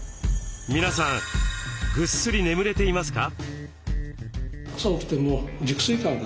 皆さんぐっすり眠れていますか？